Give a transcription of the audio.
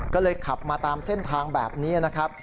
ก็เลยขับมาตามเส้นทางแบบนี้นะครับ